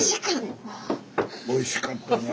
おいしかった。